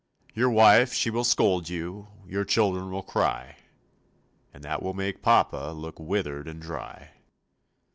Your wife she will scold you, Your children will cry, And that will make papa Look withered and dry.